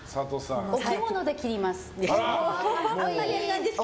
お着物で切ります。